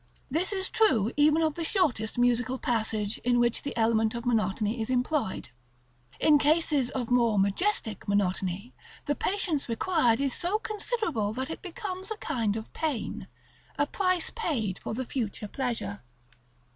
This is true even of the shortest musical passage in which the element of monotony is employed. In cases of more majestic monotony, the patience required is so considerable that it becomes a kind of pain, a price paid for the future pleasure.